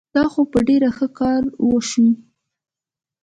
دا خو به ډېر ښه کار وشي.